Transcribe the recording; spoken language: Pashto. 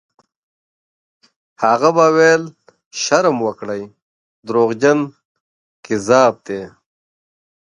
هغه به ویل: «شرم وکړئ! دروغجن، کذاب دی».